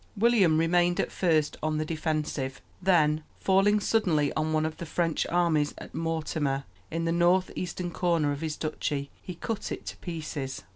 William remained at first on the defensive; then, falling suddenly on one of the French armies at Mortemer, in the north eastern corner of his duchy, he cut it to pieces.